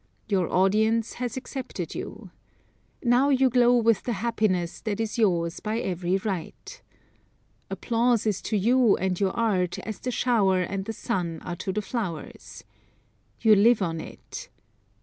Your audience has accepted you. Now you glow with the happiness that is yours by every right. Applause is to you and your art as the shower and the sun are to the flowers. You live on it.